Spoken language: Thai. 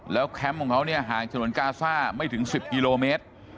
แล้วแคมป์ของเขาเนี่ยห่างฉนวนกาซ่าไม่ถึง๑๐กิโลเมตร